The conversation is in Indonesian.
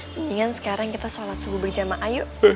mendingan sekarang kita sholat subuh berjamaah ayo